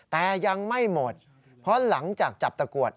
แต่ยังไม่หมดเพราะหลังจากจับตะกรวด